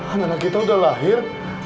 anak anak kita udah lahir